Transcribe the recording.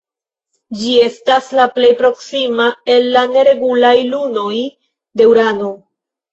Ĝi estas la plej proksima el la neregulaj lunoj de Urano.